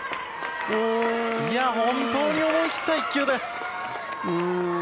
本当に思い切った１球です。